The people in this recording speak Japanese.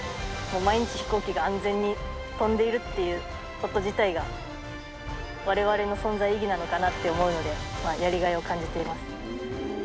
毎日、飛行機が安全に飛んでいるっていうこと自体がわれわれの存在意義なのかなって思うので、やりがいを感じています。